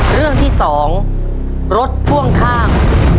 เรื่องที่๒รถพ่วงข้าง